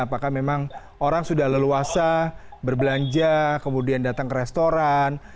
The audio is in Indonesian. apakah memang orang sudah leluasa berbelanja kemudian datang ke restoran